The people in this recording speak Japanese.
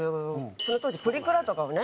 その当時プリクラとかをね